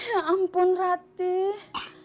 ya ampun ratih